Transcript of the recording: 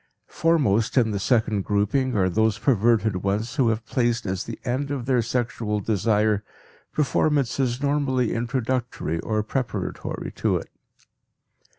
Foremost in the second grouping are those perverted ones who have placed as the end of their sexual desire performances normally introductory or preparatory to it.